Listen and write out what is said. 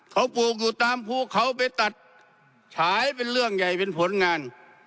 เขาปลูกอยู่ตามภูเขาไปตัดฉายเป็นเรื่องใหญ่เป็นผลงาน